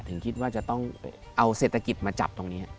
ถึงคิดว่าจะต้องเอาเศรษฐกิจมาจับตรงนี้